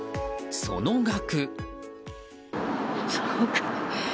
その額。